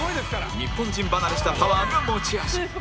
日本人離れしたパワーが持ち味